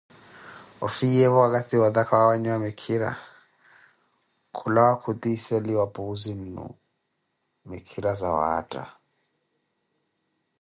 Ofiyeevo wakathi wootakha waawanyiwa mikhira, khulawa khutiseliwa Puuzi-nnu mikhira zawaatta.